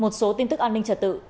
một số tin tức an ninh trật tự